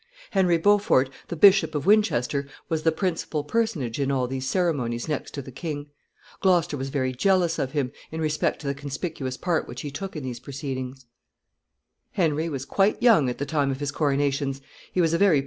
Henry Beaufort, the Bishop of Winchester, was the principal personage in all these ceremonies next to the king. Gloucester was very jealous of him, in respect to the conspicuous part which he took in these proceedings. [Illustration: Henry VI.